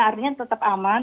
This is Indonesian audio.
artinya tetap aman